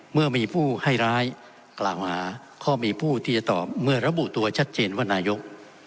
เมื่อมีผู้ให้ร้ายกล่าวหาก็มีผู้ที่จะตอบเมื่อระบุตัวชัดเจนว่านายก